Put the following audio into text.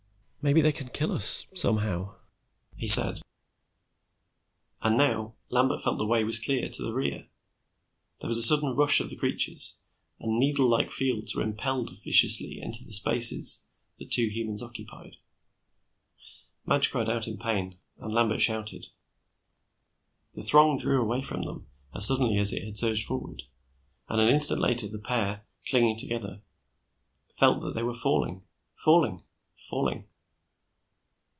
"Maybe they can kill us, somehow," he said. And now, Lambert felt the way was clear to the rear. There was a sudden rush of the creatures, and needlelike fields were impelled viciously into the spaces the two humans occupied. Madge cried out in pain, and Lambert shouted. The throng drew away from them as suddenly as it had surged forward, and an instant later the pair, clinging together, felt that they were falling, falling, falling....